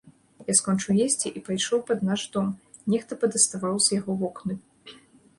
Я скончыў есці і пайшоў пад наш дом, нехта падаставаў з яго вокны.